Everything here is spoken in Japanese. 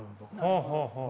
はあはあはあ。